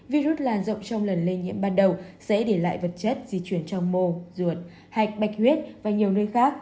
virus lan rộng trong lần lây nhiễm ban đầu sẽ để lại vật chất di chuyển trong mô ruột hạch bạch huyết và nhiều nơi khác